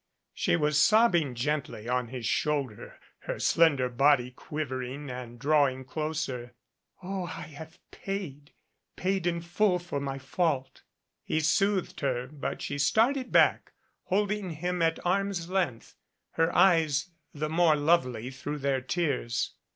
She was sobbing gently on his shoulder, her slender body quivering and drawing closer. "Oh, I have paid paid in full for my fault " He soothed her, but she started back, holding him at arm's length, her eyes the more lovely through their tears.